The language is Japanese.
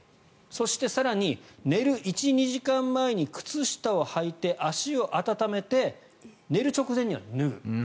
そして、更に寝る１２時間前に靴下をはいて足を温めて、寝る直前には脱ぐ。